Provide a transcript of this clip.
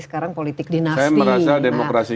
sekarang politik dinasti saya merasa demokrasi